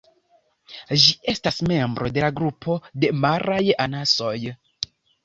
Ĝi estas membro de la grupo de maraj anasoj.